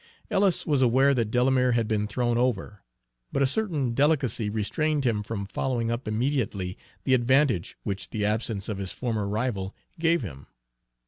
Ellis was aware that Delamere had been thrown over, but a certain delicacy restrained him from following up immediately the advantage which the absence of his former rival gave him.